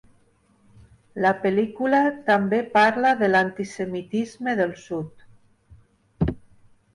La pel·lícula també parla de l'antisemitisme del sud.